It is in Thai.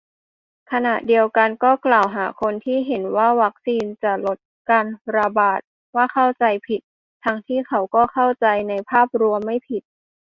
ขณะเดียวกันก็กล่าวหาคนที่เห็นว่าวัคซีนจะลดการระบาด ว่าเข้าใจผิด ทั้งที่เขาก็เข้าใจในภาพรวมไม่ได้ผิด